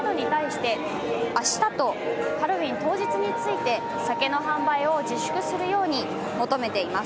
区はコンビニなどに対して、明日とハロウィーン当日について酒の販売を自粛するように求めています。